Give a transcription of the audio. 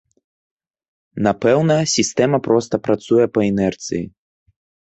Напэўна, сістэма проста працуе па інерцыі.